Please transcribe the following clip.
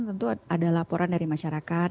tentu ada laporan dari masyarakat